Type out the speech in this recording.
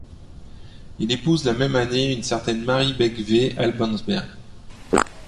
Il épouse la même année une certaine Marie Begg v. Albansberg.